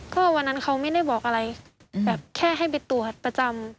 ก็วันนั้นเขาไม่ได้บอกอะไรแบบแค่ให้ไปตรวจประจำ